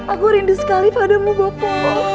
aku rindu sekali padamu bopo